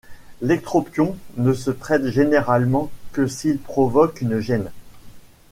L'ectropion ne se traite généralement que s'il provoque une gêne.